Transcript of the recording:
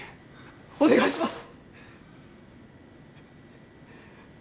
お願いします！